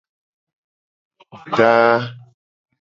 Daa.